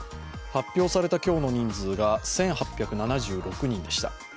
発表された今日の人数が１８７６人でした。